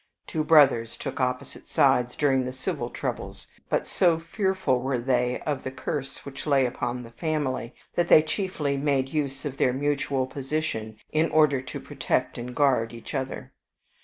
Two brothers took opposite sides during the civil troubles; but so fearful were they of the curse which lay upon the family, that they chiefly made use of their mutual position in order to protect and guard each other.